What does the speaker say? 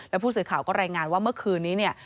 แล้วผู้สื่อข่าวก็รายงานว่าเมื่อคืนนี้เนี่ย